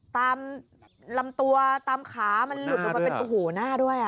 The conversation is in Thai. ตามลำตัวตามขามันหลุดลงมาเป็นโอ้โหหน้าด้วย